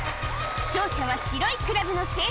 勝者は白いクラブの選手